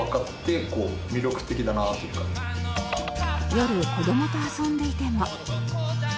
夜子どもと遊んでいても